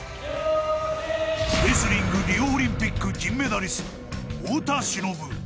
レスリングリオオリンピック銀メダリスト、太田忍。